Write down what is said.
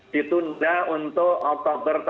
ditunda untuk oktober dua ribu dua puluh satu